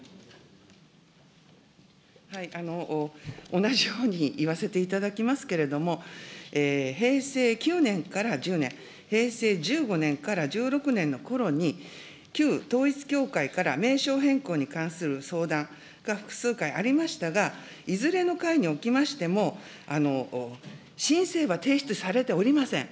同じように言わせていただきますけれども、平成９年から１０年、平成１５年から１６年のころに、旧統一教会から名称変更に関する相談が複数回ありましたが、いずれの回におきましても、申請は提出されておりません。